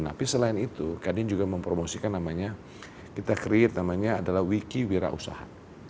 tapi selain itu kadin juga mempromosikan namanya kita create namanya adalah wiki wira usaha